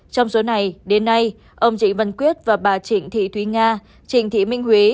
trong số này đến nay ông trịnh văn quyết và bà trịnh thị thúy nga trịnh thị minh huế